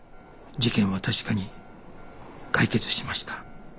事件は確かに解決しました